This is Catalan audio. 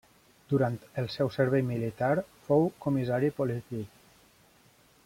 Durant el seu servei militar, fou comissari polític.